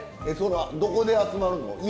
どこで集まるの？